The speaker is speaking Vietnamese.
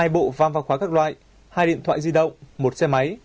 hai bộ pham vạc quá các loại hai điện thoại di động một xe máy